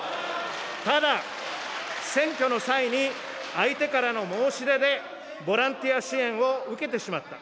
ただ、選挙の際に、相手からの申し出でボランティア支援を受けてしまった。